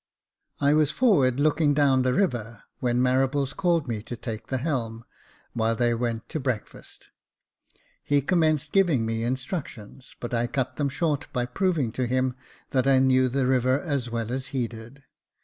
I was forward, looking down the river, when Marables called me to take the helm, while they went to breakfast. He commenced giving me instructions ; but I cut them short by proving to him that I knew the river as well as he did.